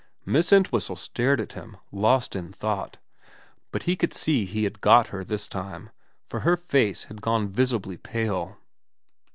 Miss Entwhistle stared at him, lost in thought ; but he could see he had got her this time, for her face had gone visibly pale.